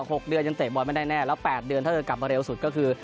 หกเดือนยังเตะบอลไม่ได้แน่แล้วแปดเดือนถ้าเธอกลับมาเร็วสุดก็คือ